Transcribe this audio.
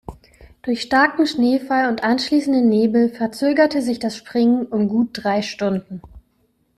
Durch starken Schneefall und anschließenden Nebel verzögerte sich das Springen um gut drei Stunden.